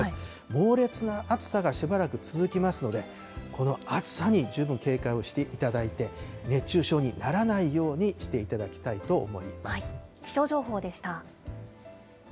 猛烈な暑さがしばらく続きますので、この暑さに十分、警戒をしていただいて、熱中症にならないようにしていただきたいと思います。